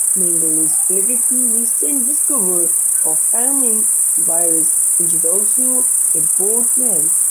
Menangle is related to the recently discovered Tioman virus which is also bat-borne.